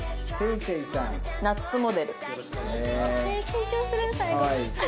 緊張する最後。